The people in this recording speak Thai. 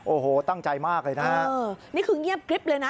โอ้โหตั้งใจมากเลยนะฮะนี่คือเงียบกริ๊บเลยนะ